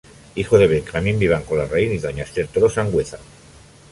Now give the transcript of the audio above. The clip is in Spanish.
Hijo de Benjamín Vivanco Larraín y doña Ester Toro Sanhueza.